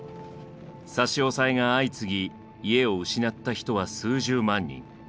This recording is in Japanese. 差し押さえが相次ぎ家を失った人は数十万人。